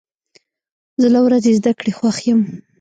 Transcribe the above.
زه له ورځې زده کړې خوښ یم.